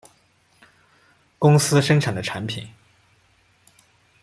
公司生产的产品